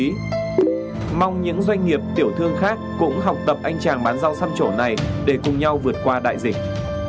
trong những doanh nghiệp tiểu thương khác cũng học tập anh chàng bán rau xăm chỗ này để cùng nhau vượt qua đại dịch